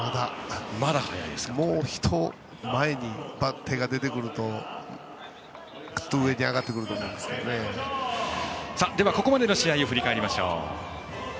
もうひとつ前に手が出てくると上に上がってくるとここまでの試合を振り返りましょう。